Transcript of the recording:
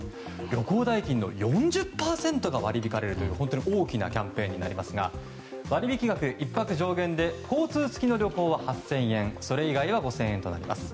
旅行代金の４０％が割り引かれるという本当に大きなキャンペーンになりますが割引額は１泊上限で交通付きの旅行は８０００円それ以外は５０００円となります。